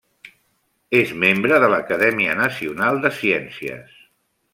És membre de l'Acadèmia Nacional de Ciències.